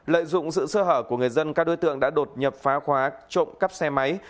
lợi dụng sự sơ hở của người dân các đối tượng đã đột nhập phá khóa trộm cắp xe máy